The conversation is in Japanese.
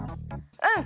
うん！